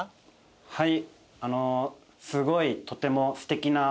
はい！